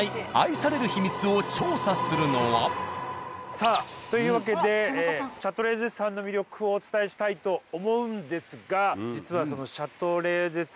さあというわけで「シャトレーゼ」さんの魅力をお伝えしたいと思うんですが。